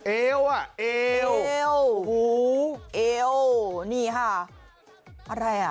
เอวอ่ะเอวเอวหูเอวนี่ค่ะอะไรอ่ะ